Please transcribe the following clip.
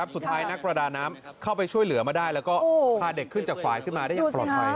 นักประดาน้ำเข้าไปช่วยเหลือมาได้แล้วก็พาเด็กขึ้นจากฝ่ายขึ้นมาได้อย่างปลอดภัย